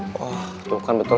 wah tuh kan betul